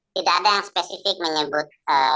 tidak ada yang spesifik menyebut